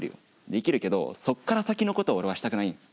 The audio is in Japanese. できるけどそこから先のことを俺はしたくない。